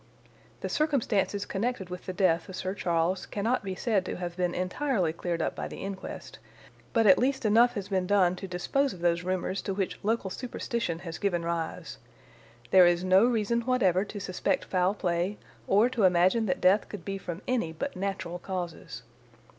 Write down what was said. "The circumstances connected with the death of Sir Charles cannot be said to have been entirely cleared up by the inquest, but at least enough has been done to dispose of those rumours to which local superstition has given rise. There is no reason whatever to suspect foul play, or to imagine that death could be from any but natural causes.